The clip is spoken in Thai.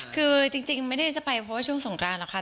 คือจริงไม่ได้จะไปเพราะว่าช่วงสงกรานหรอกค่ะ